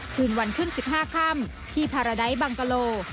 คืนวันครึ่ง๑๕ค่ำที่พาราได้บังกลโล